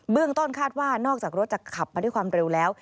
ต้นคาดว่านอกจากรถจะขับมาด้วยความเร็วแล้ว